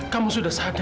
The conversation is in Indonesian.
kamu sudah sadar